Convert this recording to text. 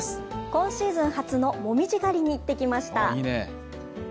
今シーズン初の紅葉狩りに行ってきました。